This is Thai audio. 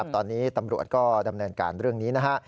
ตอนนี้ตำรวจก็ดำเนินการเรื่องนี้นะฮะ